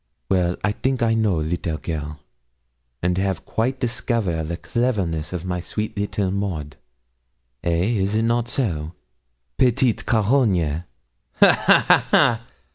Well, I think I know, little girl, and have quite discover the cleverness of my sweet little Maud. Eh is not so? Petite carogne ah, ha, ha!'